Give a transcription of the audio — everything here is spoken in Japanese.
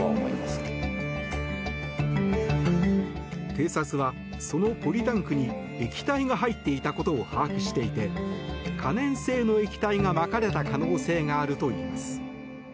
警察は、そのポリタンクに液体が入っていたことを把握していて可燃性の液体がまかれた可能性があるといいます。